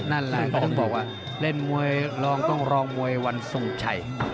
ท่านบอกว่าแล้วเรียนมวยลองก็ต้องลองมวยวันทรงชัย